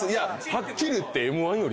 はっきり言って。